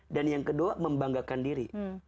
dan yang kedua membanggakan diri